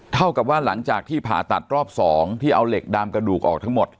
เท่ากับว่าหลังจากที่ผ่าตัดรอบ๒ที่เอาเหล็กดามกระดูกออกทั้งหมด